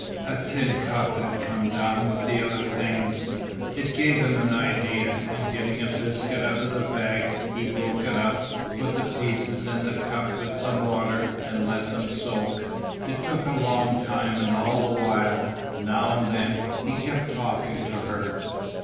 A tin cup had come down with the other things, it gave him an idea, and getting a biscuit out of the bag he broke it up, put the pieces in the cup with some water and let them soak. It took a long time and all the while, now and then, he kept talking to her.